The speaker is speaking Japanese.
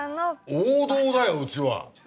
王道だようちは。